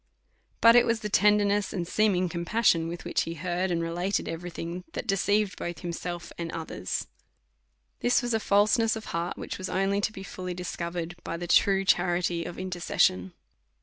But it was the tenderness and seeming compas sion with which he heard and related every thing, that deceived both himself and others. This was a falseness of heart, which was only to be fully discover ed by the true charity of intercession.